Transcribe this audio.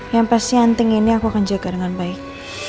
yang pasti anting ini aku akan jaga dengan baik